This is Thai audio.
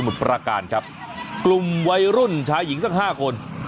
สมมุติประการครับกลุ่มวัยรุ่นชายหญิงสัก๕คน